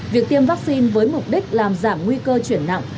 việc tiêm vaccine với mục đích làm giảm nguy cơ chuyển nặng